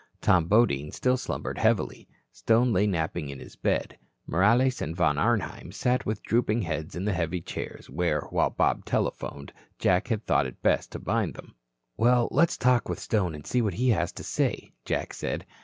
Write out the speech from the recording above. Tom Bodine still slumbered heavily. Stone lay napping on his bed. Morales and Von Arnheim sat with drooping heads in the heavy chairs where, while Bob telephoned, Jack had thought it best to bind them. "Well, let's talk with Stone and see what he has to say," Jack said.